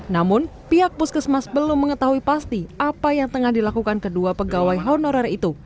namun pihak puskesmas belum mengetahui pasti apa yang tengah dilakukan kedua pegawai honorer itu